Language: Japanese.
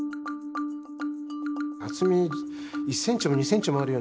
厚み１ｃｍも２ｃｍもあるような